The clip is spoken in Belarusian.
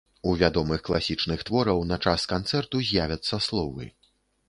У вядомых класічных твораў на час канцэрту з'явяцца словы.